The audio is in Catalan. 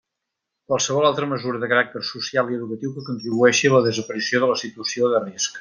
Qualsevol altra mesura de caràcter social i educatiu que contribueixi a la desaparició de la situació de risc.